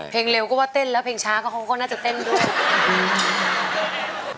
เพลงเร็วก็ว่าเต้นแล้วเพลงช้าก็เขาก็น่าจะเต้นด้วย